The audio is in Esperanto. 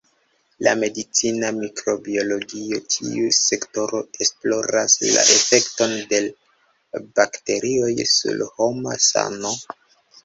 La medicina mikrobiologio: Tiu sektoro esploras la efekton de bakterioj sur homa sano.